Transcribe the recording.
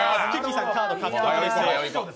さん、カード獲得です。